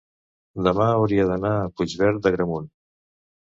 demà hauria d'anar a Puigverd d'Agramunt.